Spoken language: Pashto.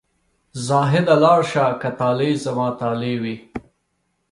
زاهده لاړ شه که طالع زما طالع وي.